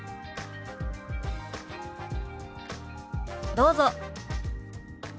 どうぞ。